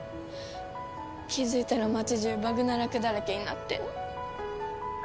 気づいたら街中バグナラクだらけになってんの。